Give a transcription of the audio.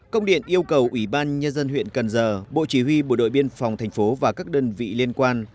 công điện yêu cầu ủy ban nhân dân huyện cần giờ bộ chỉ huy bộ đội biên phòng thành phố và các đơn vị liên quan